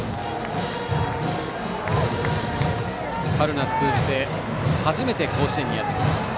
春夏通じて初めて甲子園にやってきました。